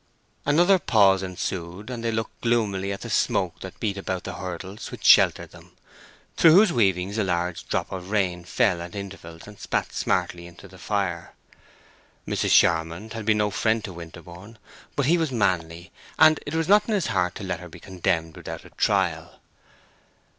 Another pause ensued, and they looked gloomily at the smoke that beat about the hurdles which sheltered them, through whose weavings a large drop of rain fell at intervals and spat smartly into the fire. Mrs. Charmond had been no friend to Winterborne, but he was manly, and it was not in his heart to let her be condemned without a trial.